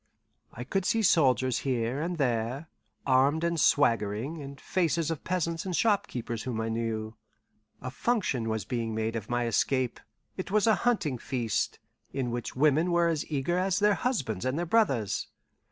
I could see soldiers here and there, armed and swaggering, and faces of peasants and shopkeepers whom I knew. A function was being made of my escape; it was a hunting feast, in which women were as eager as their husbands and their brothers.